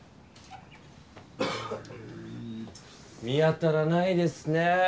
見当たらないですね。